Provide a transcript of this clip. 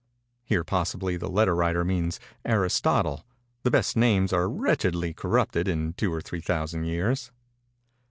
[Here, possibly, the letter writer means Aristotle; the best names are wretchedly corrupted in two or three thousand years.